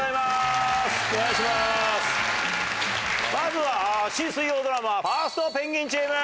まずは「新水曜ドラマファーストペンギン！チーム」。